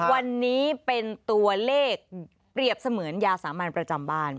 วันนี้เป็นตัวเลขเปรียบเสมือนยาสามัญประจำบ้าน